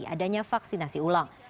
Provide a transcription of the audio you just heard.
adanya vaksinasi ulang